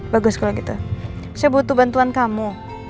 bagus kalau gitu saya butuh bantuan kamu